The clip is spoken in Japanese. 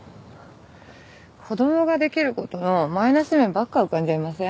子供ができる事のマイナス面ばっか浮かんじゃいません？